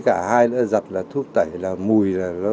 cả nhà sát vách như cái trụ điện của nhà